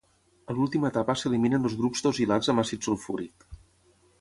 A l'última etapa s'eliminen els grups tosilats amb àcid sulfúric.